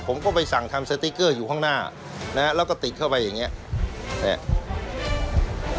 ผมก็ไปสั่งทำสติ๊กเกอร์อยู่ข้างหน้านะฮะแล้วก็ติดเข้าไปอย่างเงี้ยเนี่ย